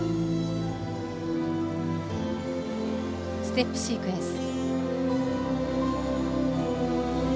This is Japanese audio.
ステップシークエンス。